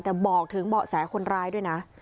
แต่บอกถึงเบาะแสคนร้ายด้วยนะ